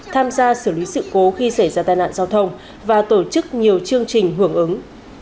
tham gia xử lý sự cố khi xảy ra tai nạn giao thông và tổ chức nhiều chương trình hưởng ứng